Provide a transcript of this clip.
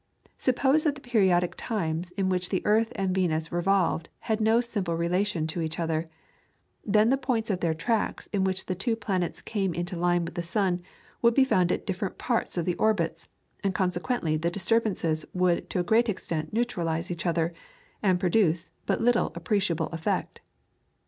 Suppose that the periodic times in which the earth and Venus revolved had no simple relation to each other, then the points of their tracks in which the two planets came into line with the sun would be found at different parts of the orbits, and consequently the disturbances would to a great extent neutralise each other, and produce but little appreciable effect.